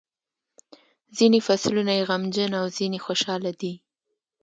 ځینې فصلونه یې غمجن او ځینې خوشاله دي.